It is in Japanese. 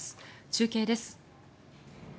中継です。